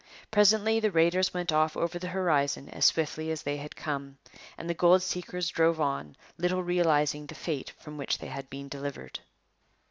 Presently the raiders went off over the horizon as swiftly as they had come, and the gold seekers drove on, little realizing the fate from which they had been delivered.